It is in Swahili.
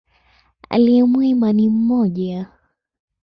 Aliye mwema ni mmoja.